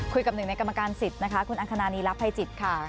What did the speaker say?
หนึ่งในกรรมการสิทธิ์นะคะคุณอังคณานีรับภัยจิตค่ะ